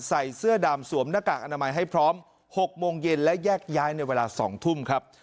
ใส่เสื้อดำสวมหน้ากากอนามัยให้พร้อม๖โมงเย็นและแยกย้ายในเวลา๒ทุ่มครับ